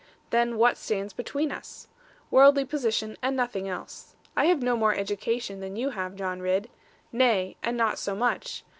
Then what stands between us? Worldly position, and nothing else. I have no more education than you have, John Ridd; nay, and not so much.